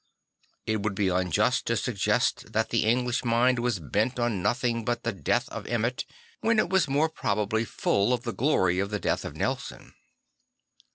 It would be unjust to suggest that the English mind was bent on nothing but the death of Emmett, when it was more probably full of the glory of the death of Nelson.